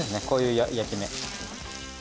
こういう焼き目。